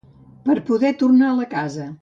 Per poder tornar a la casa.